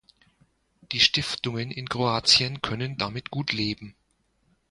Die Stiftungen in Kroatien können damit gut leben.